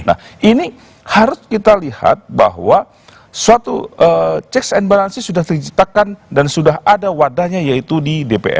nah ini harus kita lihat bahwa suatu checks and balance sudah terciptakan dan sudah ada wadahnya yaitu di dpr